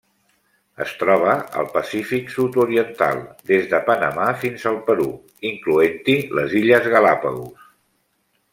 Es troba al Pacífic sud-oriental: des de Panamà fins al Perú, incloent-hi les illes Galápagos.